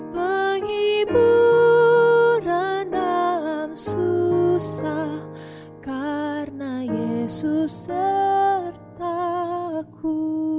penghiburan dalam susah karena yesus sertaku